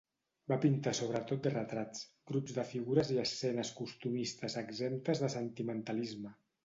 Va pintar sobretot retrats, grups de figures i escenes costumistes exemptes de sentimentalisme.